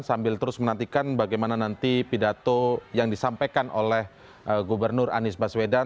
sambil terus menantikan bagaimana nanti pidato yang disampaikan oleh gubernur anis bas vedan